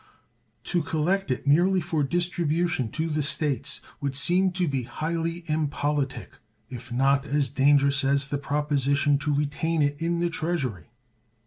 To collect it merely for distribution to the States would seem to be highly impolitic, if not as dangerous as the proposition to retain it in the Treasury.